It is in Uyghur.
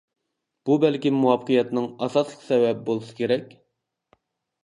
بۇ بەلكىم مۇۋەپپەقىيەتنىڭ ئاساسلىق سەۋەبى بولسا كېرەك.